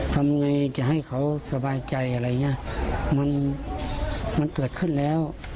ทำไงจะให้เขาสบายใจอะไรอย่างเงี้ยมันมันเกิดขึ้นแล้ว